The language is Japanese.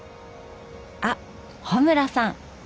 あっ穂村さん。